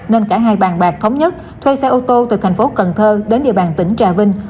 nên cả hai bàn bạc thống nhất thuê xe ô tô từ thành phố cần thơ đến địa bàn tỉnh trà vinh